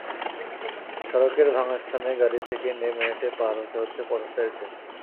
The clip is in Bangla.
সড়কের ভাঙা স্থানে গাড়ি থেকে নেমে হেঁটে পার হতে হচ্ছে পথচারীদের।